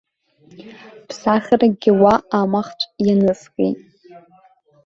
Ԥсахракгьы уа амахцә ианыскит.